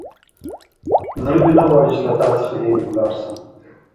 زړه مې نه غواړي چې له تا څخه لیرې لاړ شم.